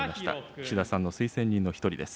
岸田さんの推薦人の１人です。